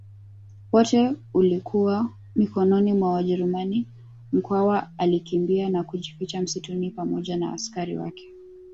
wote ulikuwa mikononi mwa wajerumani Mkwawa alikimbia na kujificha msituni pamoja na askari wake